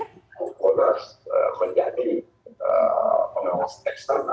komponen menjadi pengawasan eksternal